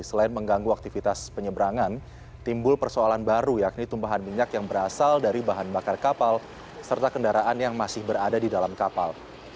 selain mengganggu aktivitas penyeberangan timbul persoalan baru yakni tumpahan minyak yang berasal dari bahan bakar kapal serta kendaraan yang masih berada di dalam kapal